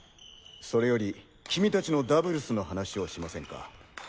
それより君達のダブルスの話をしませんか。